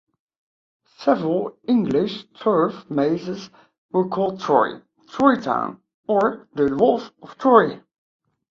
Several English turf mazes were called "Troy", "Troy Town" or "The Walls of Troy".